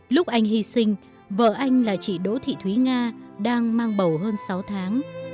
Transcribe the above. lúc anh hy sinh vợ anh là chị đỗ thị thúy nga đang mang bầu hơn sáu tháng